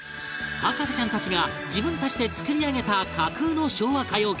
博士ちゃんたちが自分たちで作り上げた架空の昭和歌謡曲